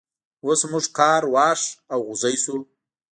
اوس موږ کار واښ او غوزی شو.